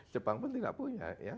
jepang pun tidak punya